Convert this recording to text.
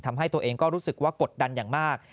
ทำให้ตัวเองก็รู้สึกว่ากดดันอย่างมาก